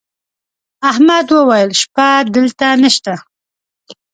احمد وويل: شپه دلته نشته.